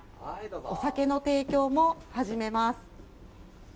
お酒の提供も始めます。